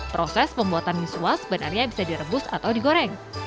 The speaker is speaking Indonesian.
proses pembuatan misua sebenarnya bisa direbus atau digoreng